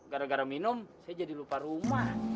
gara gara minum saya jadi lupa rumah